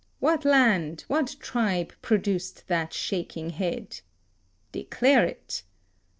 What land, what tribe produced that shaking head? Declare it!